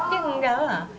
ya enggak lah